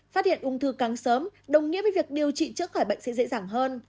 phát hiện ung thư cắn sớm đồng nghĩa với việc điều trị trước khỏi bệnh sẽ dễ dàng hơn